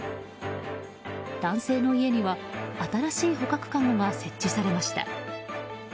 男性の家には新しい捕獲かごが設置されました。